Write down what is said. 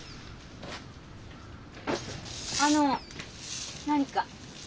あの何か？